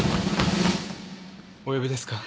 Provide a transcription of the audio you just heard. お呼びですか？